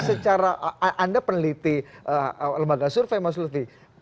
secara anda peneliti lembaga survei mas lutfi